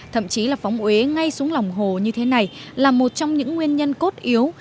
thậm chí là phóng uế ngay xuống lòng hồ như thế này là một trong những nguyên nhân cốt yếu